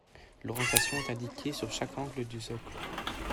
L'orientation est indiquée sur chaque angle du socle.